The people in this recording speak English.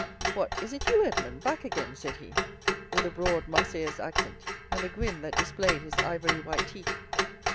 "What, is it you, Edmond, back again?" said he, with a broad Marseillaise accent, and a grin that displayed his ivory white teeth.